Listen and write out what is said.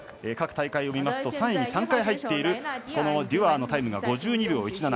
各大会を見ますと３位に３回入っているこのデュアーのタイムが５２秒１７。